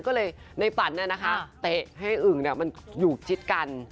ก็เลยในฝันเนี่ยนะคะเตะให้อึงมันอยู่ชิดกัน